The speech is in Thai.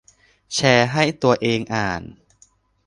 แชร์ให้ตัวเองอ่าน